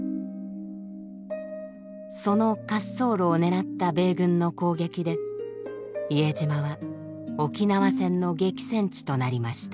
その滑走路を狙った米軍の攻撃で伊江島は沖縄戦の激戦地となりました。